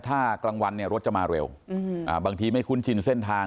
ถ้ากลางวันเนี่ยรถจะมาเร็วบางทีไม่คุ้นชินเส้นทาง